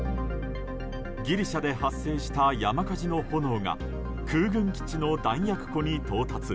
ギリシャで発生した山火事の炎が空軍基地の弾薬庫に到達。